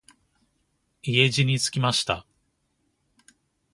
家路につきました。